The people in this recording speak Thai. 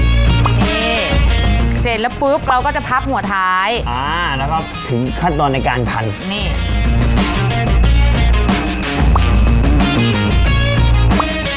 นี่เสร็จแล้วปุ๊บเราก็จะพับหัวท้ายอ่าแล้วก็ถึงขั้นตอนในการพันนี่